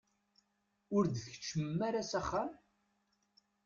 Ur d-tkeččmem ara s axxam?